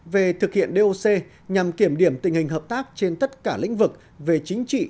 về thực hiện doc nhằm kiểm điểm tình hình hợp tác trên tất cả lĩnh vực về chính trị